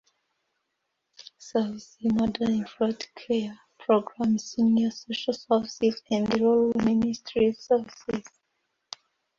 Services, mother-infant care program, senior social services, and rural ministries services.